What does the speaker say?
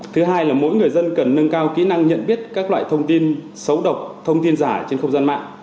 thứ hai là mỗi người dân cần nâng cao kỹ năng nhận biết các loại thông tin xấu độc thông tin giả trên không gian mạng